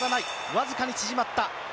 わずかに縮まった。